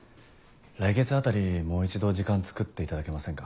来月あたりもう一度時間つくっていただけませんか？